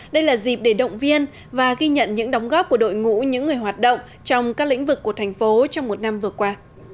đây là dịp để động viên và ghi nhận những đóng góp của đội ngũ những người hoạt động trong các lĩnh vực của thành phố trong một năm vừa qua